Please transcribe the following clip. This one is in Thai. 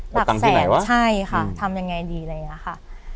หลักแสนใช่ค่ะทำยังไงดีอะไรอย่างนี้ค่ะ